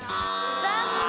残念！